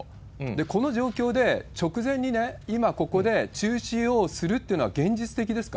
この状況で、直前に今、ここで中止をするってのは現実的ですか？